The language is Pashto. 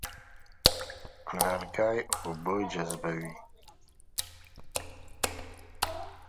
لرګی اوبه جذبوي.